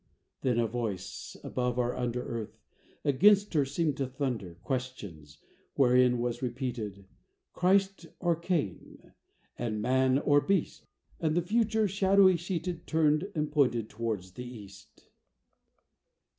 Then a voice, above or under Earth, against her seemed to thunder Questions, wherein was repeated, "Christ or Cain?" and "Man or beast?" And the Future, shadowy sheeted, Turned and pointed towards the East.